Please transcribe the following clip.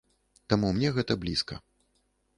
Таму мне гэта блізка.